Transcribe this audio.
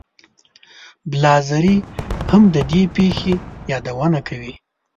بلاذري هم د دې پېښې یادونه کوي.